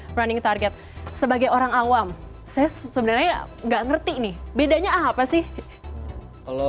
dan meter running target sebagai orang awam saya sebenarnya nggak ngerti nih bedanya apa sih kalau